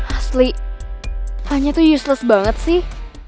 asli kayaknya tuh useless banget sih